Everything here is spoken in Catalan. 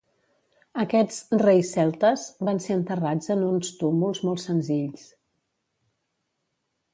Aquests "reis celtes" van ser enterrats en uns túmuls molt senzills.